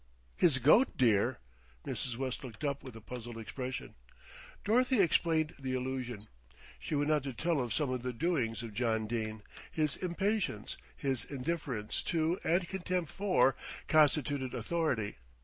"His goat, dear!" Mrs. West looked up with a puzzled expression. Dorothy explained the allusion. She went on to tell of some of the doings of John Dene, his impatience, his indifference to and contempt for constituted authority.